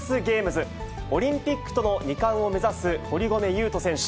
オリンピックとの２冠を目指す堀米雄斗選手。